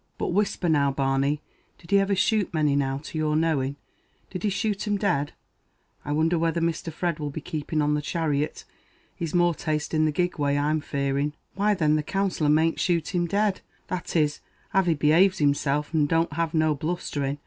"But whisper now, Barney, did he iver shoot many now to your knowing? did he shoot 'em dead? I wonder whether Mr. Fred will be keeping on the chariot; he's more taste in the gig way, I'm fearing." "Why thin, the Counsellor mayn't shoot him dead; that is, av he behaves himself, and don't have no blusthering.